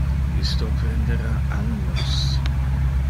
Isto prendera annos.